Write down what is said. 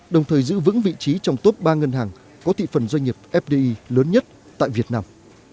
đồng thời giữ vững vị trí trong top ba ngân hàng có thị phần doanh nghiệp fdi lớn nhất tại việt nam